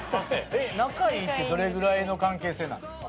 仲いいってどれぐらいの関係性なんですか？